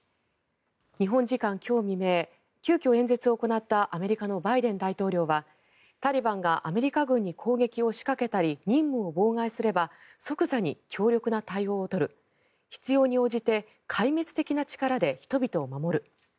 日本時間今日未明急きょ演説を行ったアメリカのバイデン大統領はタリバンがアメリカ軍に攻撃を仕掛けたり任務を妨害すれば即座に強力な対応を取る必要に応じて壊滅的な力で人々を守る。